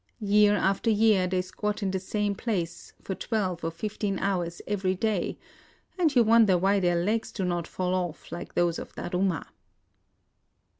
Year after year they squat in the same place, for twelve or fifteen hours every day ; and you wonder why their legs do not fall off, like those of Daruma.